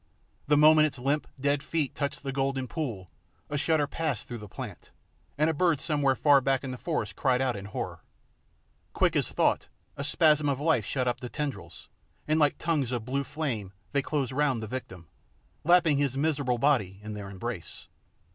The moment its limp, dead feet touched the golden pool a shudder passed through the plant, and a bird somewhere far back in the forest cried out in horror. Quick as thought, a spasm of life shot up the tendrils, and like tongues of blue flame they closed round the victim, lapping his miserable body in their embrace.